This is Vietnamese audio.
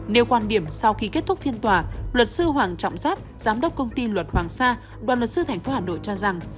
nếu quan điểm sau khi kết thúc phiên tòa luật sư hoàng trọng giáp giám đốc công ty luật hoàng sa đoàn luật sư tp hà nội cho rằng